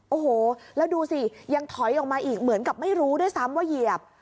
โอ้โหแล้วดูสิยังถอยออกมาอีกเหมือนกับไม่รู้ด้วยซ้ำว่าเหยียบ